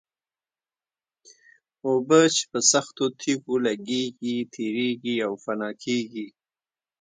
اوبه چې په سختو تېږو لګېږي تېرېږي او فنا کېږي.